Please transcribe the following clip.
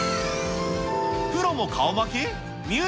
プロも顔負け？